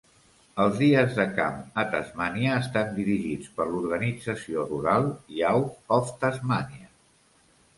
Els dies de camp a Tasmània estan dirigits per l'organització Rural Youth of Tasmania.